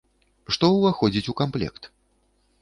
Што ўваходзіць у камплект?